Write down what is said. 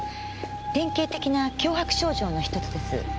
典型的な強迫症状の一つです。